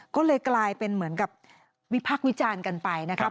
ก็เลยกลายเป็นเหมือนกับวิพักษ์วิจารณ์กันไปนะครับ